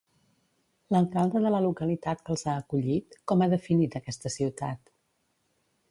L'alcalde de la localitat que els ha acollit, com ha definit aquesta ciutat?